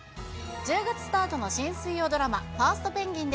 １０月スタートの新水曜ドラマ、ファーストペンギン！